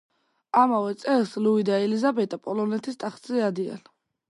ამავე წელს ლუი და ელიზაბეტა პოლონეთის ტახტზე ადიან.